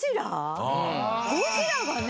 ゴジラがね。